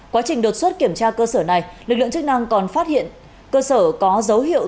quá trình đột xuất kiểm tra cơ sở này lực lượng chức năng còn phát hiện cơ sở có dấu hiệu